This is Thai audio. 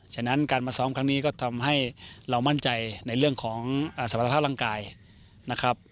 ฉะนั้นการมาซ้อมครั้งนี้ก็ทำให้เรามั่นใจในเรื่องของสมรรถภาพร่างกายนะครับ